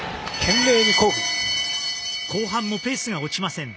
後半もペースが落ちません。